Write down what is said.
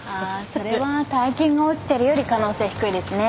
それは大金が落ちてるより可能性低いですね。